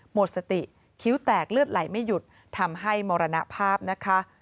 หมดสติคิ้วแตกเลือดไหลไม่หยุดทำให้มรณภาพนะคะ